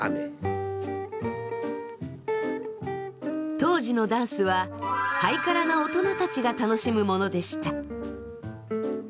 当時のダンスはハイカラな大人たちが楽しむものでした。